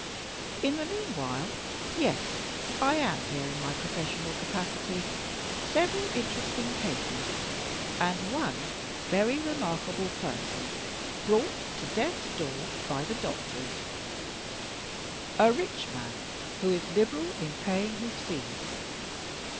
In the meanwhile yes! I am here in my professional capacity. Several interesting cases; and one very remarkable person, brought to death's door by the doctors; a rich man who is liberal in paying his fees.